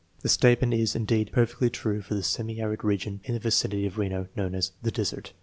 The statement is, indeed, perfectly true for the semi arid region in the vicinity of Reno known as " the desert."